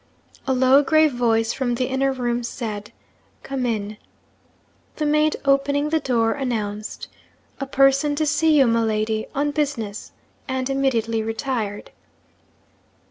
A low, grave voice from the inner room said, 'Come in.' The maid, opening the door, announced, 'A person to see you, Miladi, on business,' and immediately retired.